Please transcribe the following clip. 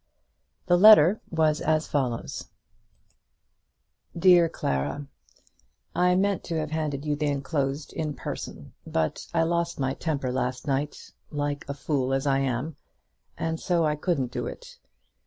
The letter was as follows: DEAR CLARA, I meant to have handed to you the enclosed in person, but I lost my temper last night, like a fool as I am, and so I couldn't do it.